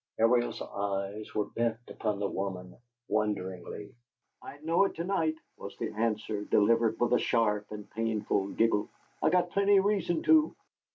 Ariel's eyes were bent upon the woman wonderingly. "I'd know it to night," was the answer, delivered with a sharp and painful giggle. "I got plenty reason to!"